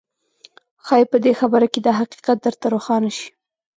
ښايي په دې خبره کې دا حقيقت درته روښانه شي.